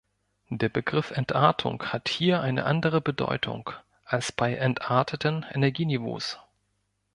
Der Begriff "Entartung" hat hier eine andere Bedeutung als bei entarteten Energieniveaus.